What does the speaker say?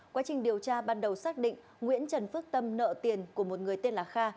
quá trình điều tra ban đầu xác định nguyễn trần phước tâm nợ tiền của một người tên là kha